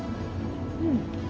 うん。